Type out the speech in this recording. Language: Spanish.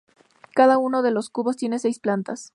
Cada uno de los cubos tiene seis plantas.